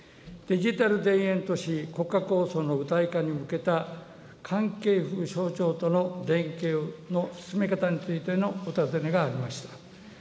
デジタル田園都市国家構想の具体化に向けた、関係する省庁との連携の進め方についてのお尋ねがありました。